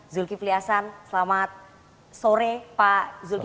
zulkifli hasan selamat sore pak zulkif